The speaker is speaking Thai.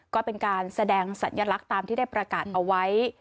ก็เป็นการแสดงสัญลักษณ์ตามที่ได้ประกาศเอาไว้